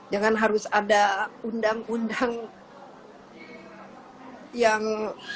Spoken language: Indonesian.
jangan harus ada undang undang yang